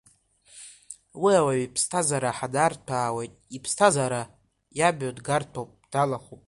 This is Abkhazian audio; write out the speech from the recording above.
Уи ауаҩ иԥсҭазаара ханарҭәаауеит, иԥсҭазаара иамҩангарҭоуп, далахәуп.